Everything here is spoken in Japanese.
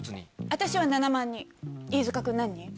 私は７万人飯塚君何人？